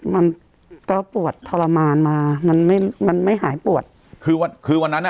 มันก็ปวดทรมานมามันไม่มันไม่หายปวดคือวันคือวันนั้นอ่ะ